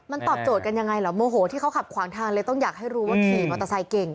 มันตอบโจทย์กันยังไงเหรอโมโหที่เขาขับขวางทางเลยต้องอยากให้รู้ว่าขี่มอเตอร์ไซค์เก่ง